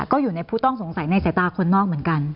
ก็อยู่ในผู้ต้องสงสัยในสายตาคนนอกเหมือนกัน